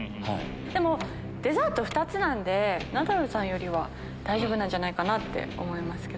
でもデザート２つなんでナダルさんよりは大丈夫じゃないかと思います。